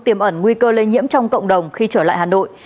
tiềm ẩn nguy cơ lây nhiễm trong cộng đồng khi trở lại hà nội